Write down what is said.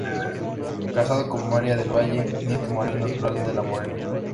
Casado con María del Valle Nieto Marín, natural de La Morera.